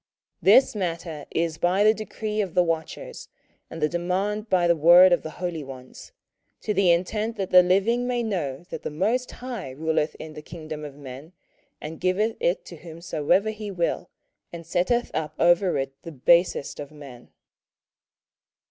27:004:017 This matter is by the decree of the watchers, and the demand by the word of the holy ones: to the intent that the living may know that the most High ruleth in the kingdom of men, and giveth it to whomsoever he will, and setteth up over it the basest of men.